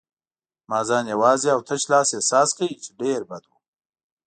ما ځان یوازې او تش لاس احساس کړ، چې ډېر بد و.